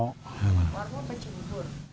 warmo apa cibubur